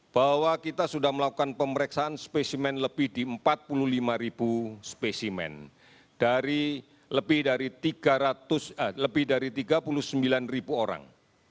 bahwa kita sudah melakukan pemeriksaan spesimen lebih di empat puluh lima ribu spesimen dari lebih dari tiga puluh sembilan ribu orang